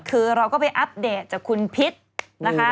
คือเราก็ไปอัปเดตจากคุณพิษนะคะ